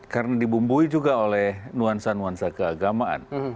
karena dibumbui juga oleh nuansa nuansa keagamaan